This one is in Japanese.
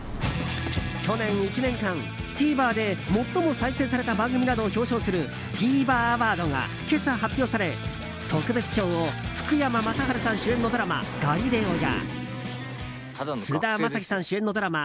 去年１年間、ＴＶｅｒで最も再生された番組などを表彰するＴＶｅｒアワードが今朝発表され特別賞を福山雅治さん主演のドラマ「ガリレオ」や菅田将暉さん主演のドラマ